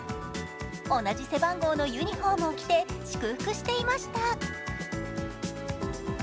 同じ背番号のユニフォームを着て祝福していました。